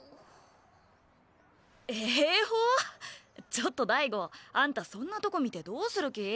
ちょっと大吾あんたそんなとこ見てどうする気？